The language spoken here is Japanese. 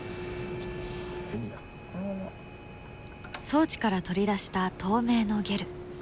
装置から取り出した透明のゲル。